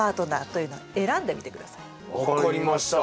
分かりました。